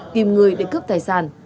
tìm người để cướp tài sản